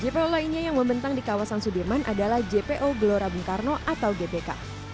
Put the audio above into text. jpo lainnya yang membentang di kawasan sudirman adalah jpo gelora bung karno atau gbk